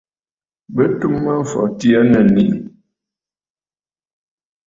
Bɨ tum Mâmfɔtì aa nɨ̀ nèʼè.